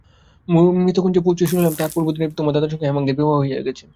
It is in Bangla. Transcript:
মথুরগঞ্জে পৌঁছিয়া শুনিলাম, তাহার পূর্বদিনেই তোমার দাদার সঙ্গে হেমাঙ্গিনীর বিবাহ হইয়া গেছে।